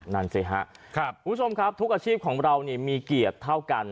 นั่นสิครับคุณผู้ชมครับทุกอาชีพของเรามีเกียรติเท่ากัน